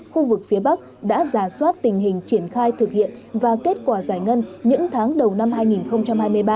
khu vực phía bắc đã giả soát tình hình triển khai thực hiện và kết quả giải ngân những tháng đầu năm hai nghìn hai mươi ba